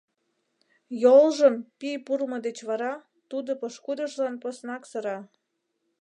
Йолжым пий пурлмо деч вара тудо пошкудыжлан поснак сыра.